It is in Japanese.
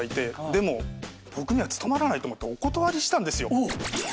でも僕には務まらないと思ってお断りしたんですよ実は。